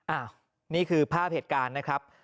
นี่คือภาพเหตุการณ์นะครับ